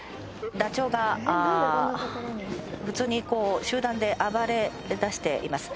ダチョウがああ普通にこう集団で暴れだしています